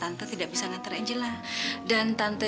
tante jangan gerus saya tante